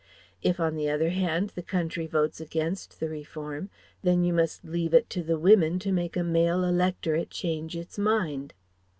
If on the other hand, the Country votes against the reform, then you must leave it to the women to make a male electorate change its mind.